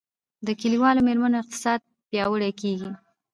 د کلیوالي میرمنو اقتصاد پیاوړی کیږي